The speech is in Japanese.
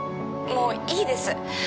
もういいです。